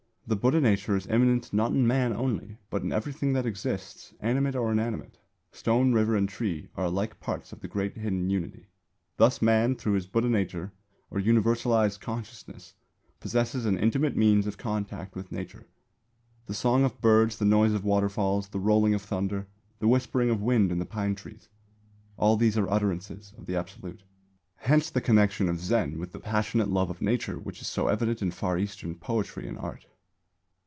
The Buddha nature is immanent not in Man only, but in everything that exists, animate or inanimate. Stone, river and tree are alike parts of the great hidden Unity. Thus Man, through his Buddha nature or universalised consciousness, possesses an intimate means of contact with Nature. The songs of birds, the noise of waterfalls, the rolling of thunder, the whispering of wind in the pine trees all these are utterances of the Absolute. Hence the connection of Zen with the passionate love of Nature which is so evident in Far Eastern poetry and art.